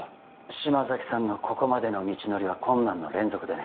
嶋崎さんのここまでの道のりは困難の連続でね